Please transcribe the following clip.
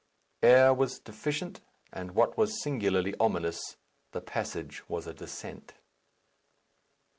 Air was deficient, and, what was singularly ominous, the passage was a descent.